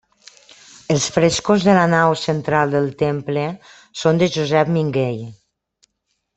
Els frescos de la nau central del temple són de Josep Minguell.